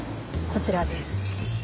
こちらです。